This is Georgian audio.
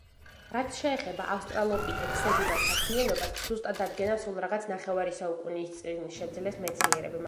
რაც შეეხება ავსტრალოპითეკ სედიბას საქმიანობას, ზუსტად დადგენა სულ რაღაც ნახევარი საუკუნის წინ შეძლეს მეცნიერებმა.